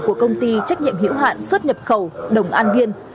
của công ty trách nhiệm hiểu hạn xuất nhập khẩu đồng an viên